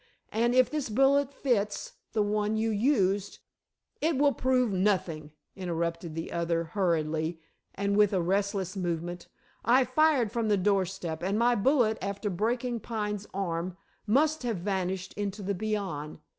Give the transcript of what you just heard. "And if this bullet fits the one you used " "It will prove nothing," interrupted the other hurriedly, and with a restless movement. "I fired from the doorstep, and my bullet, after breaking Pine's arm, must have vanished into the beyond.